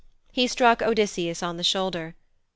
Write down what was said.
He struck Odysseus on the shoulder.